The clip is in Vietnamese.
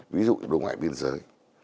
ví dụ như đối ngoại biên giới